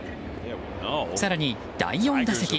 更に、第４打席。